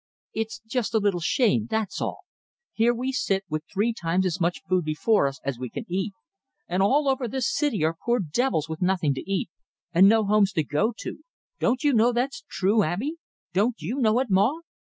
"It's just a little shame, that's all. Here we sit, with three times as much food before us as we can eat; and all over this city are poor devils with nothing to eat, and no homes to go to don't you know that's true, Abey? Don't you know it, Maw?"